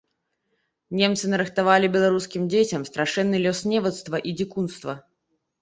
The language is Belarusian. Немцы нарыхтавалі беларускім дзецям страшэнны лёс невуцтва і дзікунства.